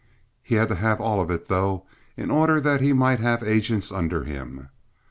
He had to have all of it, though, in order that he might have agents under him.